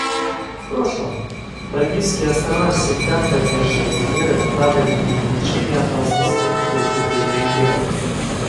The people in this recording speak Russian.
В прошлом Мальдивские Острова всегда поддерживали меры, направленные на уменьшение опасности и укрепление мира.